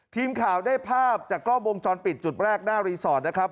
ทีมข่าวได้ภาพจากกล้องวงจรปิดจุดแรกหน้ารีสอร์ทนะครับ